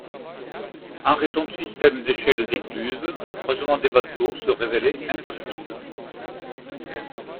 En raison du système d'échelles d'écluses, le croisement des bateaux se révélait impossible.